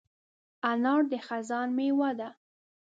انار د خزان مېوه ده.